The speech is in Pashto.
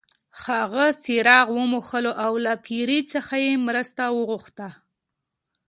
هغه څراغ وموښلو او له پیري څخه یې مرسته وغوښته.